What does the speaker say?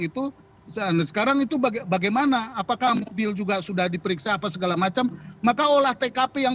itu sekarang itu bagaimana apakah mobil juga sudah diperiksa apa segala macam maka olah tkp yang